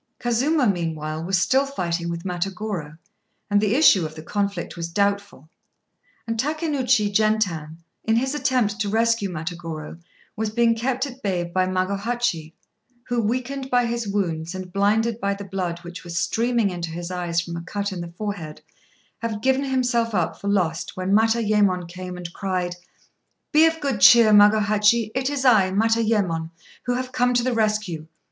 Kazuma meanwhile was still fighting with Matagorô, and the issue of the conflict was doubtful; and Takénouchi Gentan, in his attempt to rescue Matagorô, was being kept at bay by Magohachi, who, weakened by his wounds, and blinded by the blood which was streaming into his eyes from a cut in the forehead, had given himself up for lost when Matayémon came and cried "Be of good cheer, Magohachi; it is I, Matayémon, who have come to the rescue.